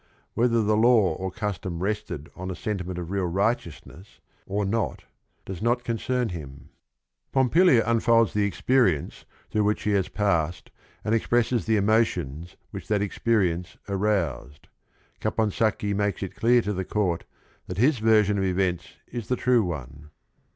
Whether the law or custom rested on a sentiment of real righteousness or not does not concern him. Pom 228 THE RING AND THE BOOK pilia unfolds the experience through which she has passed, and expresses the emotions which that experience aroused. Caponsacchi makes it clear to the court that his version of events is the true one.